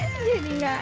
jadi gak enak